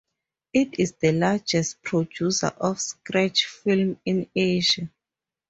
It is the largest producer of stretch films in Asia.